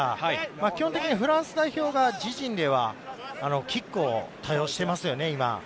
基本的にフランス代表が自陣ではキックを多用していますよね、今。